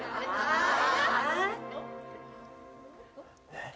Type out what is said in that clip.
えっ？